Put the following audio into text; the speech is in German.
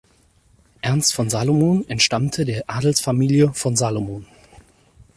Ernst von Salomon entstammte der Adelsfamilie "von Salomon.